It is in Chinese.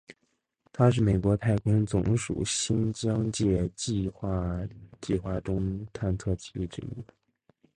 它是美国太空总署新疆界计画计划中的探测器之一。